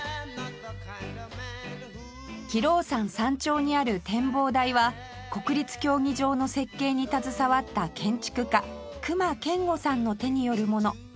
亀老山山頂にある展望台は国立競技場の設計に携わった建築家隈研吾さんの手によるもの